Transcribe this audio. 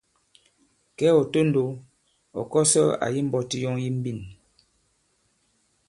Kɛ̌ ɔ̀ tondow, ɔ̀ kɔsɔ àyi mbɔti yɔŋ yi mbîn.